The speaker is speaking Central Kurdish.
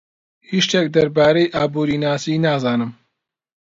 هیچ شتێک دەربارەی ئابوورناسی نازانم.